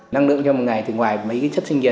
năng lượng trong một ngày thì ngoài mấy chất sinh nhiệt